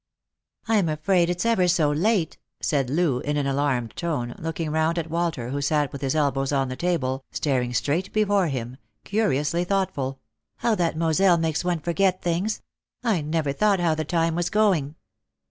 " I'm afraid it's ever so late," said Loo, in an alarmed tone, looking round at Walter, who sat with his elbows on the table, staring straight before him, curiously thoughtful ;" how that Moselle makes one forget things ! I never thought how the time was going."